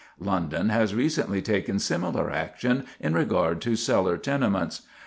London has recently taken similar action in regard to cellar tenements.